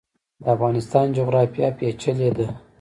د افغانستان جغرافیا پیچلې ده